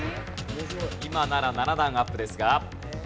今なら７段アップですが。